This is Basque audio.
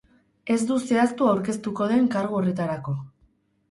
Ez du zehaztu aurkeztuko den kargu horretarako.